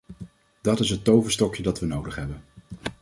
Dat is het toverstokje dat we nodig hebben.